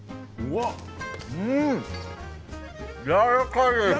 やわらかいです。